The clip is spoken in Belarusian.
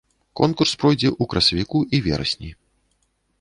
Конкурс пройдзе ў красавіку і верасні.